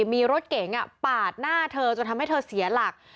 มีรถเก๋งปาดหน้าเธอจนทำให้เธอเสียหลัก